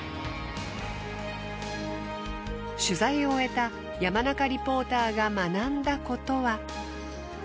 取材を終えた山中リポーターが学んだことは。